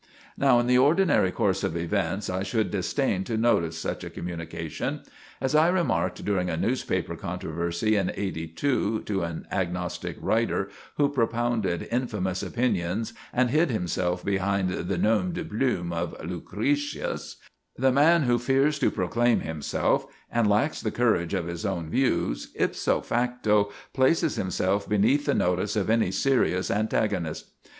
"Now, in the ordinary course of events, I should disdain to notice such a communication. As I remarked during a newspaper controversy in '82 to an agnostic writer who propounded infamous opinions and hid himself behind the nom de plume of 'Lucretius,' 'the man who fears to proclaim himself, and lacks the courage of his own views, ipso facto, places himself beneath the notice of any serious antagonist.